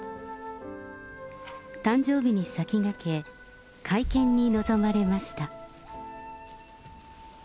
誕生日に先駆け、会見に臨まれました。